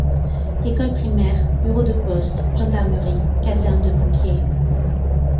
École primaire, bureau de poste, gendarmerie, caserne de pompiers.